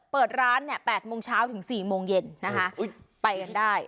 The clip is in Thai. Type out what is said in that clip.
เปิดร้านเนี่ย๘โมงเช้าถึง๔โมงเย็นนะคะไปกันได้